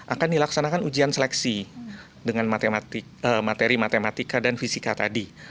akan dilaksanakan ujian seleksi dengan materi matematika dan fisika tadi